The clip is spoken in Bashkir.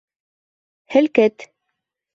Һелкет!